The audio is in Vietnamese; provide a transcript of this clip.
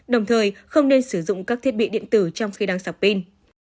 đồng thời không nên sử dụng các thiết bị điện tử trong khi đang sạc pin